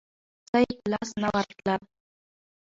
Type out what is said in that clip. څه یې په لاس نه ورتلل.